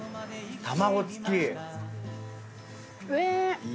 卵付き。え！